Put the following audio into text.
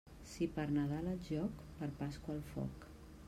Si per Nadal al joc, per Pasqua al foc.